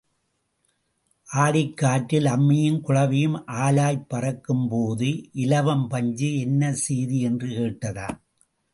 ஆடிக் காற்றில் அம்மியும் குழவியும் ஆலாய்ப் பறக்கும் போது இலவம் பஞ்சு என்ன சேதி என்று கேட்டதாம்.